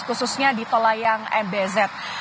khususnya di tolayang mbz